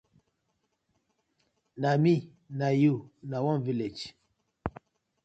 Na mi na yu na one village.